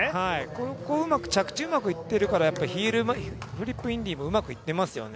ここ、着地がうまくいっていますから、フリップインディもうまくいっていますよね。